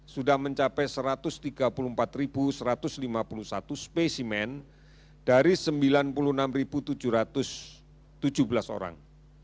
sudah mencapai satu ratus tiga puluh empat satu ratus lima puluh satu spesimen dari sembilan puluh enam tujuh ratus tujuh belas orang